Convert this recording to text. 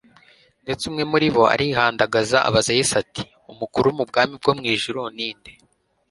ndetse umwe muri bo arihandagaza abaza Yesu ati: «Umukuru mu bwami bwo mu ijuru ninde?»